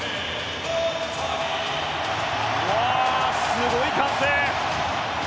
すごい歓声。